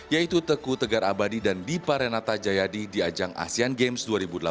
yaitu teku tegar abadi dan dipa renata jayadi di ajang asean games dua ribu delapan belas